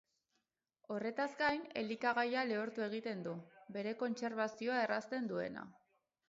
Horretaz gain, elikagaia lehortu egiten du, bere kontserbazioa errazten duena.